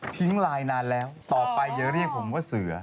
ลายนานแล้วต่อไปอย่าเรียกผมว่าเสือ